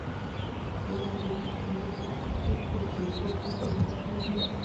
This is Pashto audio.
آیا د پښتنو په کلتور کې د اوبو قدر نه کیږي؟